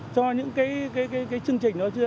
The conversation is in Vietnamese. cho những cái chương trình đó chưa